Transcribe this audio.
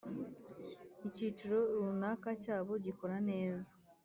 icyiciro runaka cyabo gikora neza.